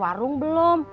sampai warung belum